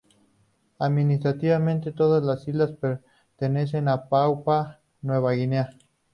Administrativamente, todas las islas pertenecen a Papúa Nueva Guinea.